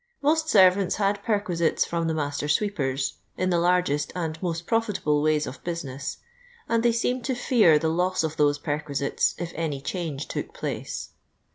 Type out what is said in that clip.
Most servants had perquisites from the master sweepers, in the largest and most profitable ways of business, and they seemed to fear the loss of those perquisites if any change took place.